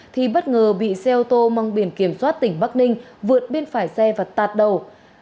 thì bất ngờ bị xe ô tô mong biển kiểm soát tỉnh bắc ninh vượt bên phải xe và tạt đầu